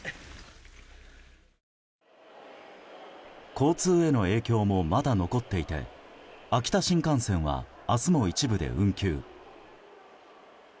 交通への影響もまだ残っていて秋田新幹線は明日も一部で運休。